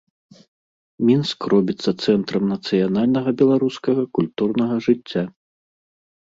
Мінск робіцца цэнтрам нацыянальнага беларускага культурнага жыцця.